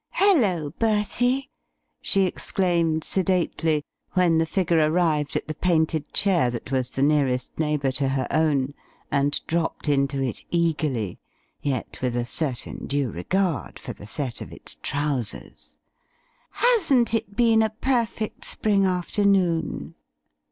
"Hullo, Bertie!" she exclaimed sedately, when the figure arrived at the painted chair that was the nearest neighbour to her own, and dropped into it eagerly, yet with a certain due regard for the set of its trousers; "hasn't it been a perfect spring afternoon?"